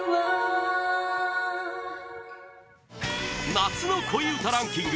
夏の恋うたランキング